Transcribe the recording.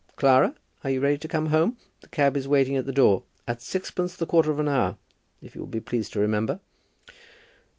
Clara, are you ready to come home? The cab is waiting at the door, at sixpence the quarter of an hour, if you will be pleased to remember."